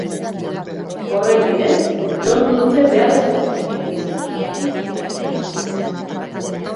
Horren bidez lortu dute beharrezkoak ez diren sendagaien erabilera murriztea.